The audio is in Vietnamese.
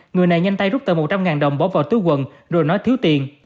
người này nhanh tay rút tờ một trăm linh đồng bỏ vào túi quần rồi nói thiếu tiền